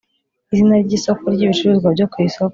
izina ry isoko ry ibicuruzwa byo ku isoko